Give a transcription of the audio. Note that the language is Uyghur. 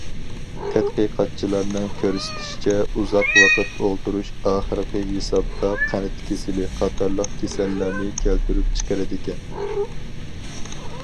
تەتقىقاتچىلارنىڭ كۆرسىتىشىچە، ئۇزاق ۋاقىت ئولتۇرۇش ئاخىرقى ھېسابتا قەنت كېسىلى قاتارلىق كېسەللەرنى كەلتۈرۈپ چىقىرىدىكەن.